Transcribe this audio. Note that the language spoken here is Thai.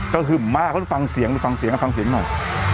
ก็หึ่มมากแล้วฟังเสียงไปฟังเสียงฟังเสียงหน่อย